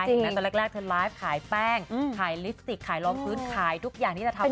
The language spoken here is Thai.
เห็นไหมตอนแรกเธอไลฟ์ขายแป้งขายลิสติกขายรองพื้นขายทุกอย่างที่จะทำได้